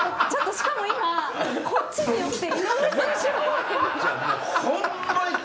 しかも今こっちに寄って。